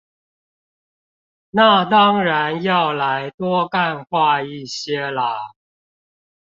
那當然要來多幹話一些啦